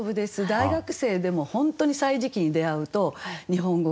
大学生でも本当に「歳時記」に出会うと日本語